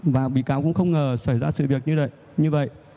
và bị cáo cũng không ngờ xảy ra sự việc như vậy